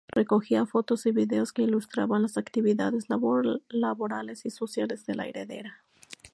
Recogía fotos y vídeos que ilustraban las actividades laborales y sociales de la heredera.